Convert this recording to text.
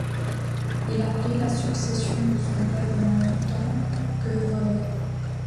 Il a pris la succession de son père en tant que voleur.